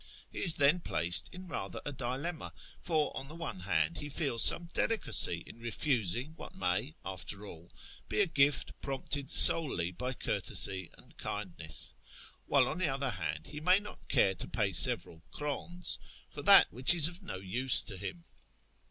He is then placed in rather a dilemma, for, on the one hand, he feels some delicacy^ in refus ing what may, after all, be a gift prompted solely by courtesy and kindness ; while, on the other hand, he may not care to pay several krdns for that which is of no use to him.